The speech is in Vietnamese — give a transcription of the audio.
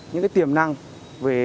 những tiềm năng về